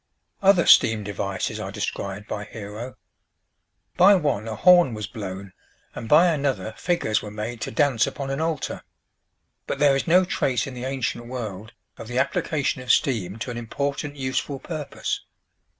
Other steam devices are described by Hero. By one a horn was blown, and by another figures were made to dance upon an altar. But there is no trace in the ancient world of the application of steam to an important useful purpose.